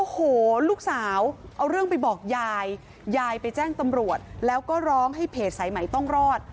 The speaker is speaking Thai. โอ้โหลูกสาวเอาเรื่องไปบอกยายยายไปแจ้งตำรวจแล้วก็ร้องให้เพจสายใหม่ต้องรอด